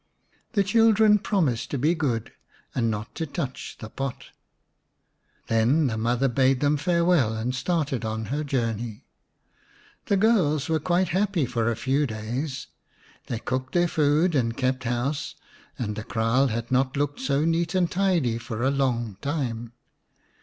The children promised to be good and not to touch the pot. Then the mother bade them farewell and started on her journey. The girls were quite happy for a few days. They cooked their food and kept house, and the kraal had not looked so neat and tidy for a long time.